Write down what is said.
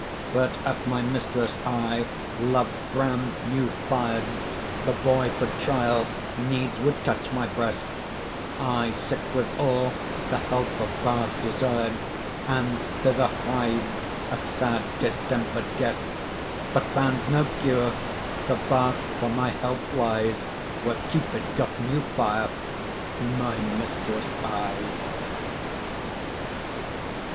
But at my mistress' eye Love's brand new fired, The boy for trial needs would touch my breast; I, sick withal, the help of bath desired, And thither hied, a sad distemper'd guest, But found no cure, the bath for my help lies Where Cupid got new fire; my mistress' eyes.